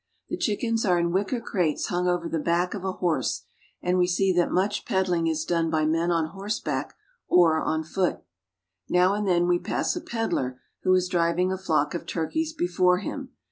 The chickens are in wicker crates hung over the back of a horse, and we see that much peddling is done by men on horseback or on foot. Now and then we pass a peddler who is driving a flock of turkeys before him.